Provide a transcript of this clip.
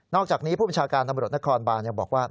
นอกจากนี้ผู้ประชาการทำรุตนครบาร์ยังบอกว่า